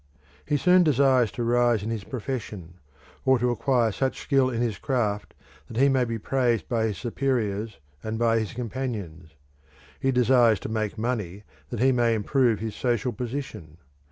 He soon desires to rise in his profession, or to acquire such skill in his craft that he may he praised by his superiors and by his companions. He desires to make money that he may improve his social position.